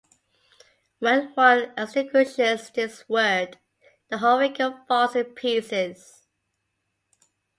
When one extinguishes this word the whole figure falls in pieces.